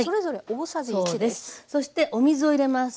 そしてお水を入れます。